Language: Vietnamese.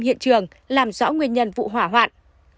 hiện trường làm rõ nguyên nhân vụ hỏa hoạn